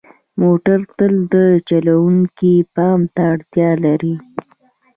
موټر تل د چلوونکي پام ته اړتیا لري.